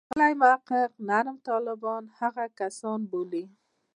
ښاغلی محق نرم طالبان هغه کسان بولي.